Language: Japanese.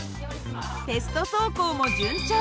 テスト走行も順調。